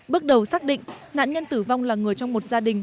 bước đầu xác định nạn nhân tử vong là người trong một gia đình